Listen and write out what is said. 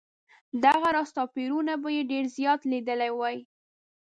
دغه راز توپیرونه به یې ډېر زیات لیدلي وای.